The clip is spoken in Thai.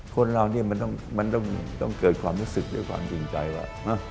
คนเรานี่มันต้องเกิดความรู้สึกด้วยความจริงใจว่า